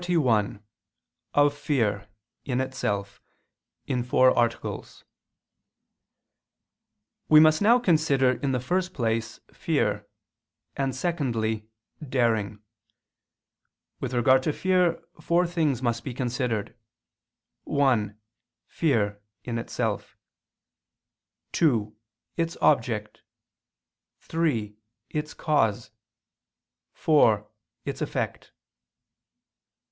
________________________ QUESTION 41 OF FEAR, IN ITSELF (In Four Articles) We must now consider, in the first place, fear; and, secondly, daring. With regard to fear, four things must be considered: (1) Fear, in itself; (2) Its object; (3) Its cause; (4) Its effect.